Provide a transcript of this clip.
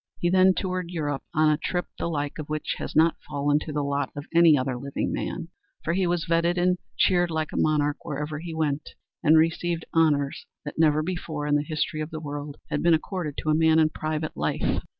He then toured Europe on a trip the like of which has not fallen to the lot of any other living man, for he was feted and cheered like a monarch wherever he went, and received honors that never before in the history of the world had been accorded to a man in private life.